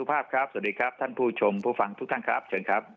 เพราะนึกมาส่วนผู้ชมเพิ่งฟังทุกครับเชิงครับ